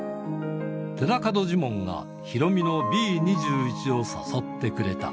寺門ジモンがヒロミのＢ２１を誘ってくれた。